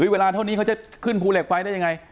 เวลาเท่านี้เขาจะขึ้นภูเหล็กไฟได้ยังไง